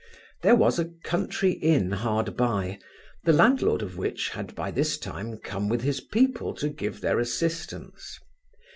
There was a country inn hard by, the landlord of which had by this time come with his people to give their assistance.